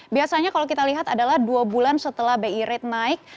biasanya kalau kita lihat adalah dua bulan setelah bi rate naik